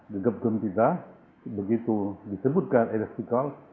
gegap gempita begitu disebutkan eli spikal